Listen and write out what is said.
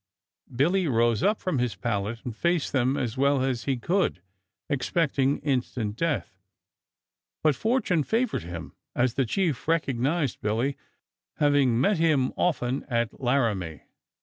Billy rose up from his pallet and faced them as well as he could, expecting instant death; but fortune favored him, as the chief recognized Billy, having met him often at Laramie.